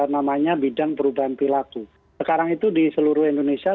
namanya bidang perubahan perilaku sekarang itu di seluruh indonesia